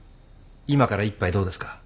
今から一杯どうですか？